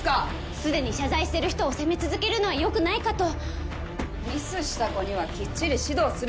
すでに謝罪してる人を責め続けるのはよくないかとミスした子にはきっちり指導するべきでしょう！